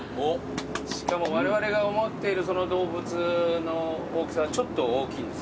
しかもわれわれが思っているその動物の大きさはちょっと大きいんです。